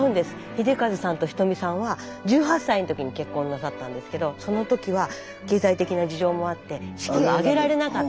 秀和さんと仁美さんは１８歳の時に結婚なさったんですけどその時は経済的な事情もあって式を挙げられなかった。